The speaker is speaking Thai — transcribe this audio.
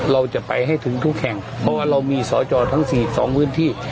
เราจะไปให้ถึงทุกแห่งเพราะว่าเรามีสอจอทั้งสี่สองพื้นที่